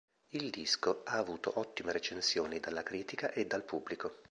Il disco ha avuto ottime recensioni dalla critica e dal pubblico.